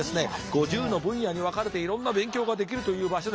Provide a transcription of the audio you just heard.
５０の分野に分かれていろんな勉強ができるという場所です。